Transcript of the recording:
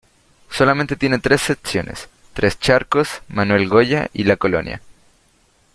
Solamente tiene tres Secciones: Tres Charcos, Manuel Goya y la Colonia.